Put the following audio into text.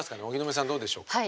荻野目さんどうでしょう？